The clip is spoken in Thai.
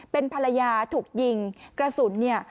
เป็นภรรยาถูกยิงกระสุนเนี่ย